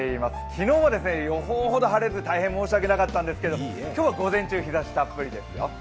昨日は予報ほど晴れず大変申し訳なかったんですが今日は午前中、日ざしたっぷりですよ。